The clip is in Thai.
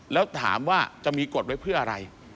แล้วถามว่าจะมีกฎไว้เพื่ออะไร